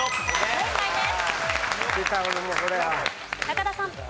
正解です。